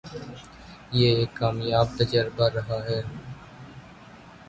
یہ ایک کامیاب تجربہ رہا ہے۔